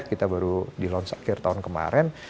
kita baru di launch akhir tahun kemarin